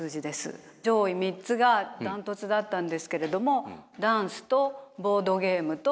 上位３つがダントツだったんですけれどもダンスとボードゲームと楽器。